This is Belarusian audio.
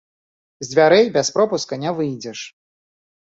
З дзвярэй без пропуска не выйдзеш.